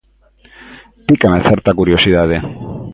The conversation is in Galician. _Pícame certa curiosidade...